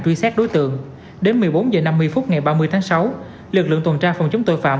truy xét đối tượng đến một mươi bốn h năm mươi phút ngày ba mươi tháng sáu lực lượng tuần tra phòng chống tội phạm